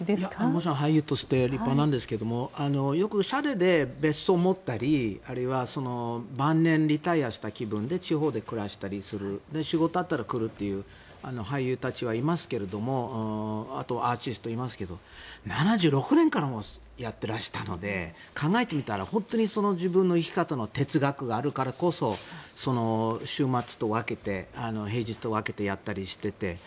もちろん俳優として立派なんですがよくしゃれで別荘を持ったりあるいは晩年、リタイアした気分で地方で暮らしたりする仕事があったら来るという俳優たちはいますけれどあとアーティストもいますけど７６年からやってらしたので考えてみたら本当に自分の生き方の哲学があるからこそ週末と分けて平日と分けてやったりしていて。